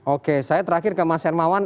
oke saya terakhir ke mas hermawan